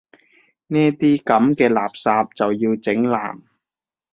呢啲噉嘅垃圾就要整爛